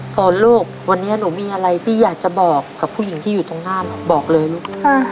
ฝนลูกวันนี้หนูมีอะไรที่อยากจะบอกกับผู้หญิงที่อยู่ตรงหน้าบอกเลยลูก